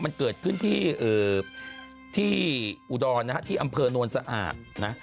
มันเกิดขึ้นที่เอ่อที่อุดรนะคะที่อำเภอนวลสะอาบนะ